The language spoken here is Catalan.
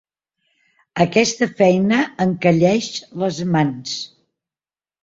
Aquesta feina encalleix les mans!